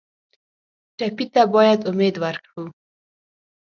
ټپي ته باید امید ورکړو.